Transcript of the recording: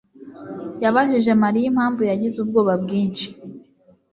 yabajije Mariya impamvu yagize ubwoba bwinshi.